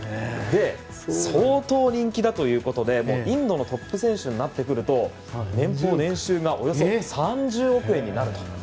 相当人気だということでインドのトップ選手になってくると年収がおよそ３０億円になると。